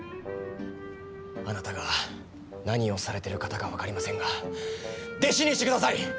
あなたが何をされてる方か分かりませんが弟子にしてください！